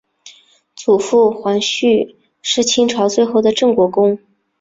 祖父恒煦是清朝最后的镇国公。